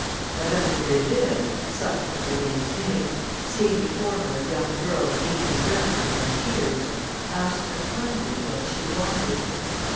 Madame de Béville, such was the lady's name, seeing before her a young girl neatly dressed and in tears, asked her kindly what she wanted.